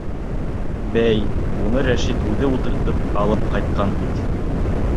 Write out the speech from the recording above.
— Бәй, уны Рәшит үҙе ултыртып алып ҡайтҡан бит.